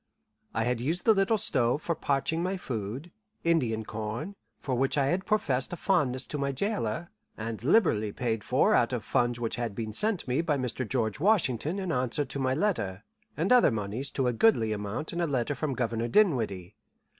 I had used the little stove for parching my food Indian corn, for which I had professed a fondness to my jailer, and liberally paid for out of funds which had been sent me by Mr. George Washington in answer to my letter, and other moneys to a goodly amount in a letter from Governor Dinwiddie.